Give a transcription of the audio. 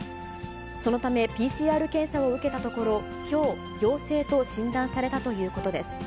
そのためＰＣＲ検査を受けたところ、きょう、陽性と診断されたということです。